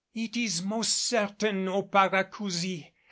"It is most certain, O, Paracousi!